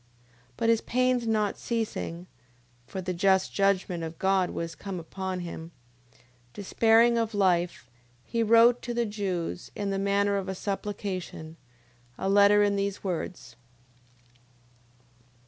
9:18. But his pains not ceasing, (for the just judgment of God was come upon him) despairing of life, he wrote to the Jews, in the manner of a supplication, a letter in these words: 9:19.